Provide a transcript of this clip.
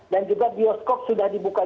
dan juga bioskop sudah dibuka